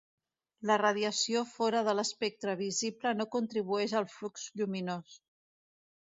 La radiació fora de l'espectre visible no contribueix al flux lluminós.